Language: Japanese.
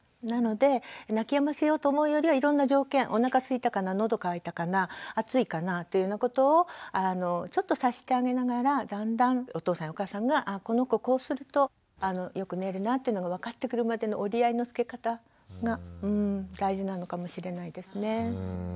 なので泣きやませようと思うよりはいろんな条件おなかすいたかな喉渇いたかな暑いかなというようなことをちょっと察してあげながらだんだんお父さんやお母さんがこの子こうするとよく寝るなというのが分かってくるまでの折り合いのつけ方が大事なのかもしれないですね。